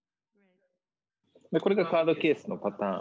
これがカードケースのパターンですね。